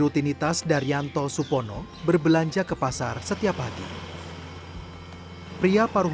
kisah wayang orang pentas yang terlupakan